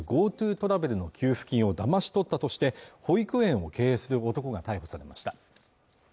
ＧｏＴｏトラベルの給付金をだまし取ったとして保育園を経営する男が逮捕されました